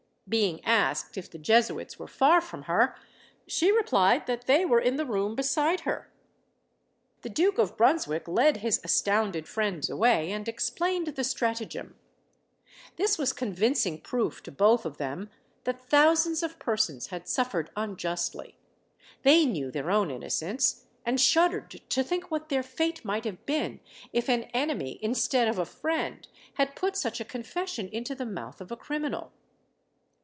Being asked if the Jesuits were far from her, she replied that they were in the room beside her. The Duke of Brunswick led his astounded friends away, and explained the stratagem. This was convincing proof to both of them that thousands of persons had suffered unjustly; they knew their own innocence, and shuddered to think what their fate might have been if an enemy instead of a friend had put such a confession into the mouth of a criminal.